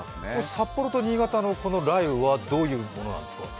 札幌と新潟の雷雨はどういうものなんですか？